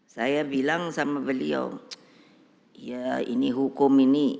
saya bilang sama beliau ya ini hukum ini